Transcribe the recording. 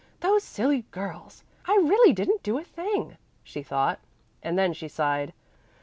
"Those silly girls! I really didn't do a thing," she thought. And then she sighed.